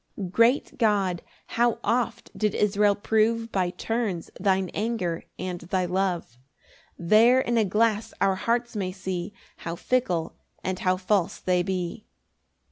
1 Great God, how oft did Israel prove By turns thine anger and thy love! There in a glass our hearts may see How fickle and how false they be.